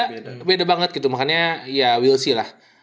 beda beda banget gitu makanya ya we ll see lah